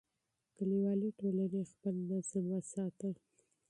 کلیوالي ټولنې خپل نظم وساته.